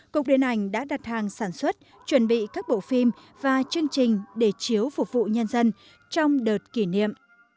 cục điện ảnh đã đặt hàng sản xuất chuẩn bị các bộ phim và chương trình để chiếu phục vụ nhân dân trong đợt kỷ niệm